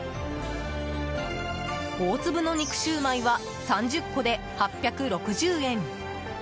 大粒の肉焼売は３０個で８６０円。